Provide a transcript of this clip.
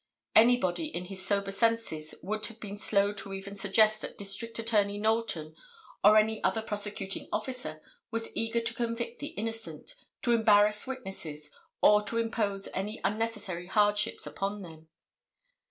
Anybody in his sober senses would have been slow to even suggest that District Attorney Knowlton, or any other prosecuting officer, was eager to convict the innocent, to embarrass witnesses, or to impose any unnecessary hardships upon them.